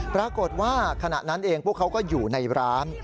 ปรากฏว่าขณะนั้นเองพวกเขาก็อยู่ในร้าน